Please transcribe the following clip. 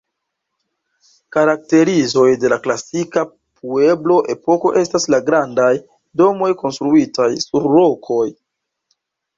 Karakterizoj de la klasika pueblo-epoko estas la grandaj domoj konstruitaj sur rokoj.